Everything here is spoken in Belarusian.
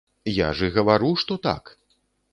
Я ж і гавару, што так.